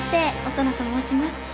音野と申します。